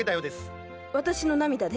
私の涙で？